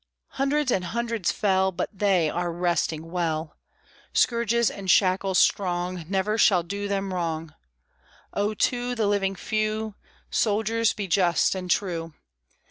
Hundreds on hundreds fell; But they are resting well; Scourges, and shackles strong Never shall do them wrong. Oh, to the living few, Soldiers, be just and true!